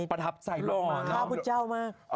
ประทับใจหล่อข้าพุทธเจ้ามาก